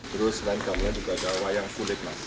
terus dan kamarnya juga ada wayang kulit mas